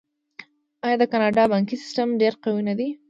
آیا د کاناډا بانکي سیستم ډیر قوي نه دی؟